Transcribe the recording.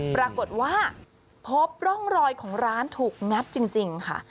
ปรากฏว่าพบร่องรอยของร้านถูกงัดจริงค่ะ